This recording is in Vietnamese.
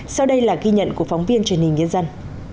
sau đây là ghi nhận của phóng viên truyền hình nhân dân